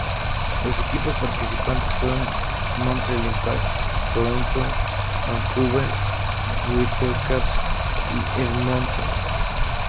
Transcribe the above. Los equipos participantes fueron Montreal Impact, Toronto, Vancouver Whitecaps y Edmonton.